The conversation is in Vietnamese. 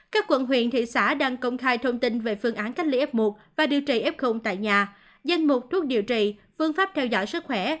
các quận huyện thị xã đang công khai thông tin về phương án cách ly f một và điều trị f tại nhà danh mục thuốc điều trị phương pháp theo dõi sức khỏe